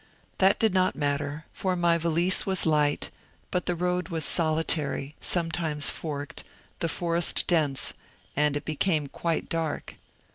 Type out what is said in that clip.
That did not matter, for my valise was light, but the road was solitary, sometimes forked, the forest dense, and it became quite dark.